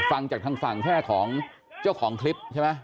ฟังจากทางฝั่งแค่ของเจ้าของคลิปใช่ไหม